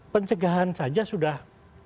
pencegahan saja sudah